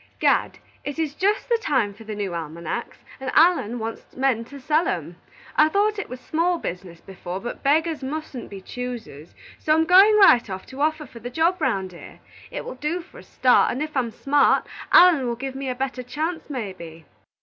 "Gad, it is just the time for the new almanacs, and Allen wants men to sell 'em. I thought it was small business before, but beggars mustn't be choosers, so I'm going right off to offer for the job 'round here. It will do for a start, and if I'm smart, Allen will give me a better chance maybe."